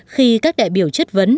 khi các đại biểu chất vấn